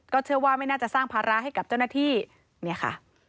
เชื่อว่าไม่น่าจะสร้างภาระให้กับเจ้าหน้าที่เนี่ยค่ะ